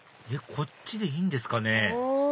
こっちでいいんですかね？